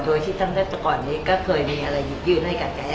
โดยที่ทั้งแต่ก่อนนี้ก็เคยมีอะไรยืดยืนให้กับแก